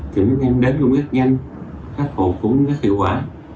thì mấy em đến cũng rất nhanh khách hộ cũng rất hiệu quả